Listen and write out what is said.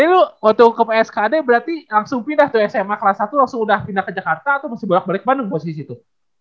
itu waktu ke pskd berarti langsung pindah tuh sma kelas satu langsung udah pindah ke jakarta atau mesti bolak balik bandung posisi itu